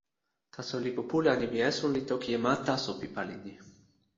taso lipu pu la, nimi "esun" li toki e ma taso pi pali ni.